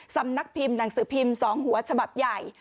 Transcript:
สำนักพิมพ์หนังสือพิมพ์๒หัวฉบับใหญ่